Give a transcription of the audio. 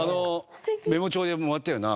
メモ帳でもらったよな。